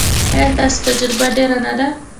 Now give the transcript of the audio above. ایا ستاسو تجربه ډیره نه ده؟